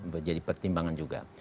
menjadi pertimbangan juga